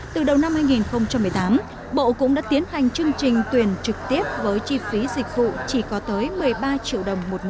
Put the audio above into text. từ đầu năm hai nghìn một mươi tám bộ cũng đã tiến hành chương trình tuyển trực tiếp với chi phí dịch vụ chỉ có tới một mươi ba triệu đồng